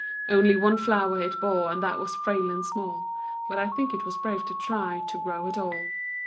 Only one flower it bore, and that was frail and small, But I think it was brave to try to grow at all.